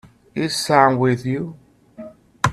Is Sam with you?